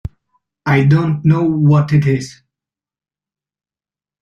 I don't know what it is.